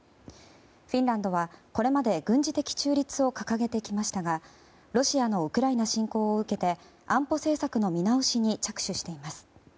フィンランドはこれまで軍事的中立を掲げてきましたがロシアのウクライナ侵攻を受けて安保政策の見直しに着手しています。